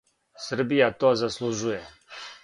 Србија то заслужује.